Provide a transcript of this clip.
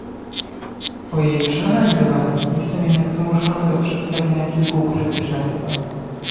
Po jej przeanalizowaniu jestem jednak zmuszony do przedstawienia kilku krytycznych uwag